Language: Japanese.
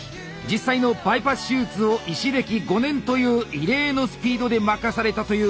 実際のバイパス手術を医師歴５年という異例のスピードで任されたという天才肌であります。